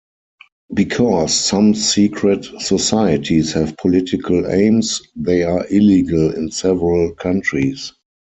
Because some secret societies have political aims, they are illegal in several countries.